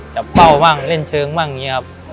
เป้าบ้างเล่นเชิงบ้างอย่างนี้ครับ